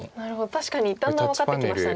確かにだんだん分かってきましたね。